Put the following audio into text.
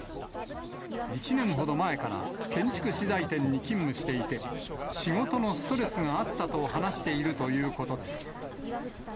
１年ほど前から、建築資材店に勤務していて、仕事のストレスがあったと話しているということです。